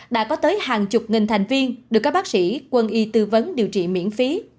đã có tới hàng chục nghìn thành viên được các bác sĩ quân y tư vấn điều trị miễn phí